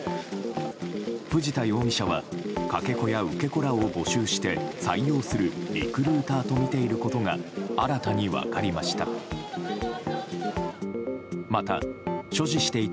藤田容疑者はかけ子や受け子らを募集して採用するリクルーターとみていることが新たに分かりました。